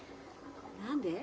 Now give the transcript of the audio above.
何で？